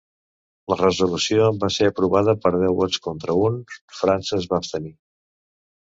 La resolució va ser aprovada per deu vots contra un; França es va abstenir.